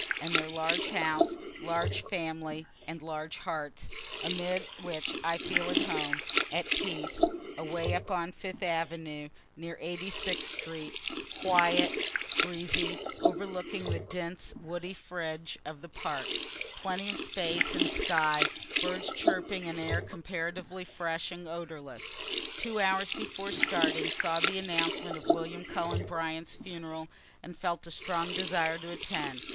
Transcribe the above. and their large house, large family (and large hearts,) amid which I feel at home, at peace away up on Fifth avenue, near Eighty sixth street, quiet, breezy, overlooking the dense woody fringe of the park plenty of space and sky, birds chirping, and air comparatively fresh and odorless. Two hours before starting, saw the announcement of William Cullen Bryant's funeral, and felt a strong desire to attend.